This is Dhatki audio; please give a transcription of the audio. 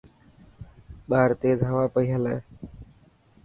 ٻاهر تيز هوا پئي هلي.